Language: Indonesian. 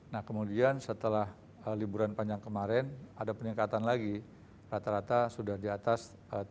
nah kemudian setelah liburan panjang kemarin ada peningkatan lagi rata rata sudah di atas tiga puluh